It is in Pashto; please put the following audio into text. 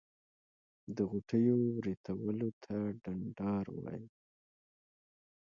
د غوټیو ورتولو ته ډنډار وایی.